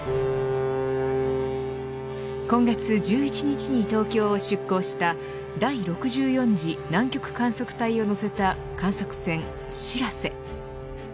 今月１１日に東京を出航した第６４次南極観測隊を乗せた観測船、しらせ。